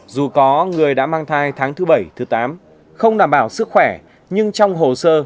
dù có người đã mang thai tháng thứ bảy thứ tám không đảm bảo sức khỏe nhưng trong hồ sơ